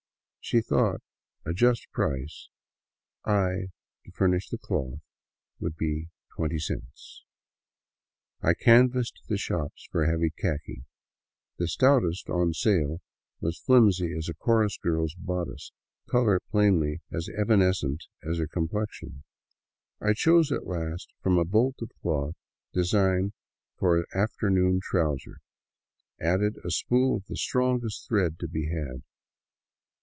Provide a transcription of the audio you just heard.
She thought a just price, I to fur nish the cloth, would be twenty cents ! I canvassed the shops for heavy khaki. The stoutest on sale was flimsy as a chorus girl's bodice, its color plainly as evanescent as her complexion. I chose at last from a bolt of cloth designed for after noon trousers, adding a spool of the strongest thread to be had.